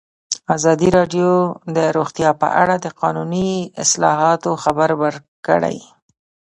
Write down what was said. ازادي راډیو د روغتیا په اړه د قانوني اصلاحاتو خبر ورکړی.